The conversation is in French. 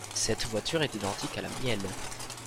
Cette voiture est identique à la mienne.